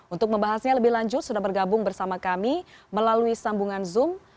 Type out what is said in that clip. untuk membahasnya lebih lanjut sudah bergabung bersama kami melalui sambungan zoom